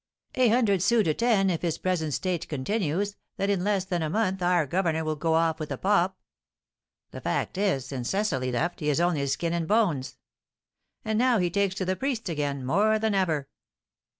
"A hundred sous to ten, if his present state continues, that in less than a month our governor will go off with a pop." "The fact is, since Cecily left, he is only skin and bones." "And now he takes to the priests again more than ever."